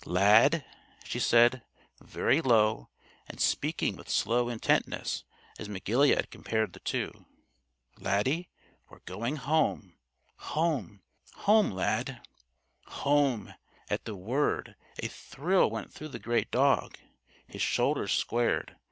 "Lad!" she said, very low, and speaking with slow intentness as McGilead compared the two. "Laddie, we're going home. Home! Home, Lad!" Home! At the word, a thrill went through the great dog. His shoulders squared.